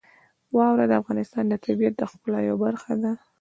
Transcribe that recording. واوره د افغانستان د طبیعت د ښکلا یوه برخه ده.